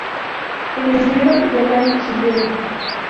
En enero del año siguiente.